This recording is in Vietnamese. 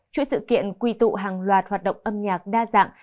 chuỗi sự kiện quy tụ hàng loạt hoạt động âm nhạc đa dạng